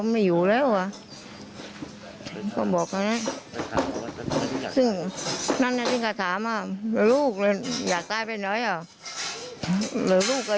มีลูกอยากตายไปไหนเหรอ